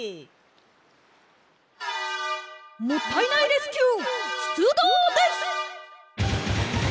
もったいないレスキューしゅつどうです！